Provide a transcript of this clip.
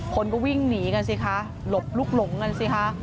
คนก็วิ่งหนีกันสิคะหลบลุกหลงกันสิคะ